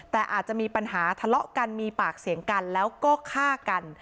แต่อาจจะมีปัญหาทะเลาะกันมีปากเสียงกันแล้วก็ฆ่ากัน